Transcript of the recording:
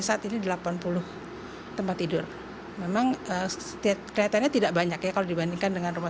saat ini delapan puluh tempat tidur memang setiap keretanya tidak banyak ya kalau dibandingkan dengan rumah